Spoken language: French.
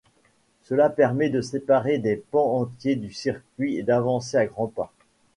Cela permet de séparer des pans entiers du circuit et d’avancer à grands pas.